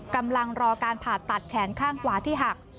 กำลังรอการผ่าตัดแขนข้างขวาที่หัก